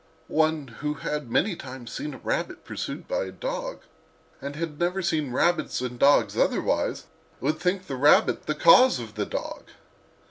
One who had many times seen a rabbit pursued by a dog, and had never seen rabbits and dogs otherwise, would think the rabbit the cause of the dog.